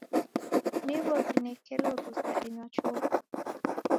Niw'o w'inekelo rusa enywa chofi.